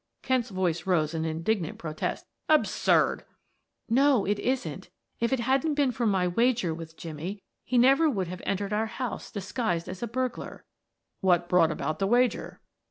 Kent's voice rose in indignant protest. "Absurd!" "No, it isn't If it had not been for my wager with Jimmie, he never would have entered our house disguised as a burglar." "What brought about the wager?"